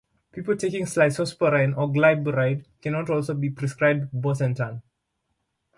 People taking cyclosporine or glyburide cannot also be prescribed bosentan.